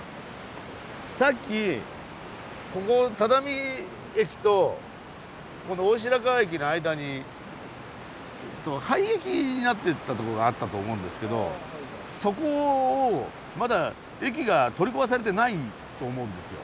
さっきここ只見駅とこの大白川駅の間に廃駅になってたとこがあったと思うんですけどそこまだ駅が取り壊されてないと思うんですよ。